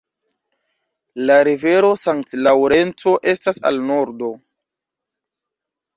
La rivero Sankt-Laŭrenco estas al nordo.